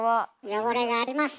汚れがあります。